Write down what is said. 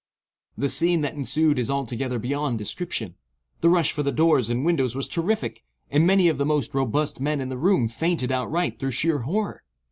The scene that ensued is altogether beyond description. The rush for the doors and windows was terrific, and many of the most robust men in the room fainted outright through sheer horror.